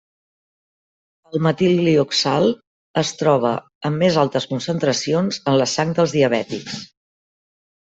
El metilglioxal es troba en més altes concentracions en la sang dels diabètics.